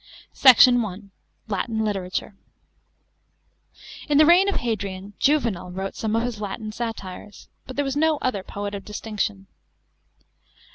SECT. I. — LATIN LITERATURE. § 2. In the reign of Hadrian, Juvenal wrote some of his Latin satires, but there was no other poet of distinction.